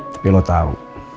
tapi lo tau